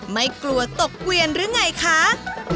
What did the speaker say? ไม่กลัวตกเกวียนหรือไงคะ